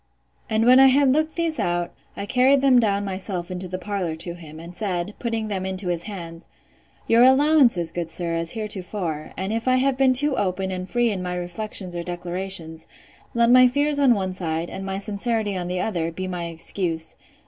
And when I had looked these out, I carried them down myself into the parlour to him; and said, putting them into his hands, Your allowances, good sir, as heretofore; and if I have been too open and free in my reflections or declarations, let my fears on one side, and my sincerity on the other, be my excuse.